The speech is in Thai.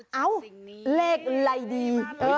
เหรกไรดี